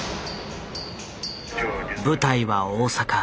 舞台は大阪。